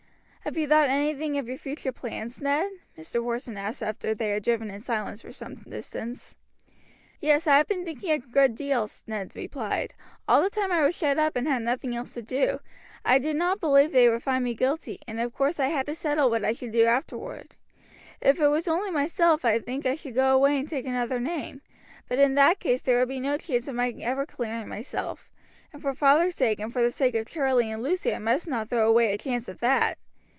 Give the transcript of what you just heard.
"Have you thought anything of your future plans, Ned?" Mr. Porson asked after they had driven in silence for some distance. "Yes, I have been thinking a good deal," Ned replied, "all the time I was shut up and had nothing else to do. I did not believe that they would find me guilty, and of course I had to settle what I should do afterward. If it was only myself I think I should go away and take another name; but in that case there would be no chance of my ever clearing myself, and for father's sake and for the sake of Charlie and Lucy I must not throw away a chance of that.